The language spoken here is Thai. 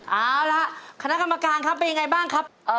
เอาล่ะคณะคำมะการครับเป็นอย่างไรบ้างครับ